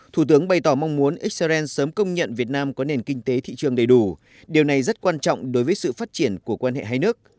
thủ tướng bày tỏ mong muốn israel sớm công nhận việt nam có nền kinh tế thị trường đầy đủ điều này rất quan trọng đối với sự phát triển của quan hệ hai nước